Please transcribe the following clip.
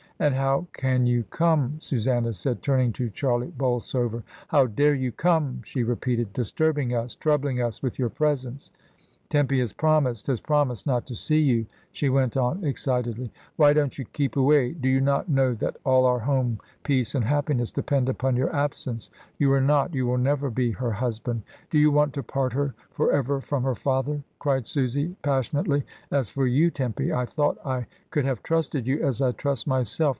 And how can you come," Susanna said, turning to Charlie Bolsover, "how dare you come," she repeated, "disturbing us, troubling us with yoiu presence? Tempy has promised — ^has promised not to see you," she went on excitedly. "Why don't you keep away? Do you not know that all our home peace and happiness depend upon your absence? You are not, you will never be, her husband. Do you want to part her for ever from her father?" cried Susy, passionately. "As for you, Tempy, I thought I could have trusted you as I trust myself.